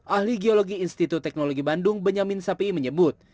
ahli geologi institut teknologi bandung benyamin sapi menyebut